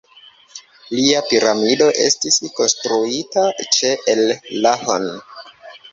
Lia piramido estis konstruita ĉe El-Lahun.